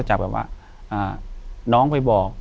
อยู่ที่แม่ศรีวิรัยิลครับ